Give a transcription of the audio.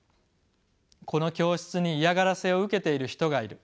「この教室に嫌がらせを受けている人がいる。